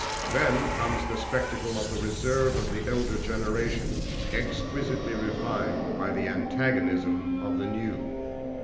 Then comes the spectacle of the reserve of the elder generation exquisitely refined by the antagonism of the new.